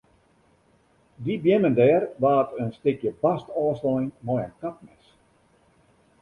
Dy beammen dêr waard in stikje bast ôfslein mei in kapmes.